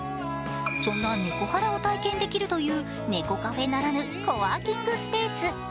そんなネコハラを体験できるという、猫カフェならぬコワーキングスペース。